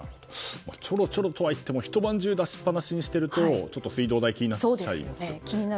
ちょろちょろとはいってひと晩中、出しっぱなしにするとちょっと水道代が気になっちゃいますね。